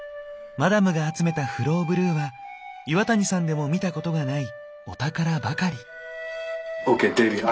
マダムが集めたフローブルーは岩谷さんでも見たことがないお宝ばかり。